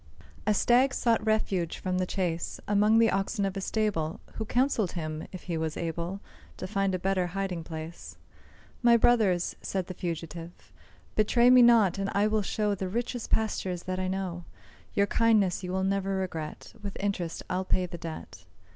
A Stag sought refuge from the chase Among the oxen of a stable, Who counselled him if he was able To find a better hiding place. "My brothers," said the fugitive, "Betray me not; and I will show The richest pastures that I know; Your kindness you will ne'er regret, With interest I'll pay the debt."